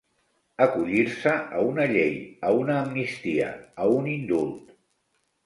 Acollir-se a una llei, a una amnistia, a un indult.